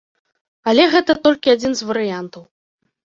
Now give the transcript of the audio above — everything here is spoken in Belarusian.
Але гэта толькі адзін з варыянтаў.